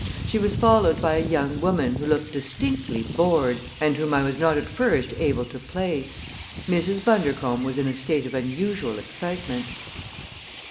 She was followed by a young woman who looked distinctly bored and whom I was not at first able to place. Mrs. Bundercombe was in a state of unusual excitement.